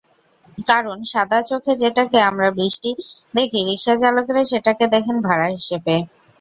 কারণ, সাদা চোখে যেটাকে আমরা বৃষ্টি দেখি, রিকশাচালকেরা সেটাকে দেখেন ভাড়া হিসেবে।